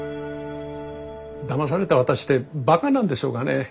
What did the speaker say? だまされた私ってバカなんでしょうかね。